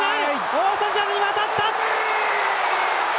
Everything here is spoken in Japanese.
大外に渡った！